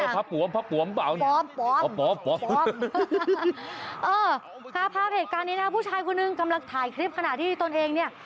ภาพเหตุการณ์พูดภาษาอีกทีอยู่กันเนี่ย